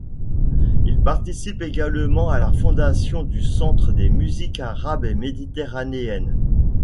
Il participe également à la fondation du Centre des musiques arabes et méditerranéennes.